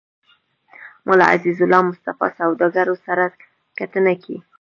ملا عزيزالله مصطفى سوداګرو سره کتنه کې